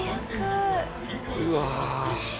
うわ。